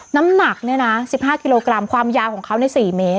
น้ำหนักเนี่ยนะ๑๕กิโลกรัมความยาวของเขาใน๔เมตร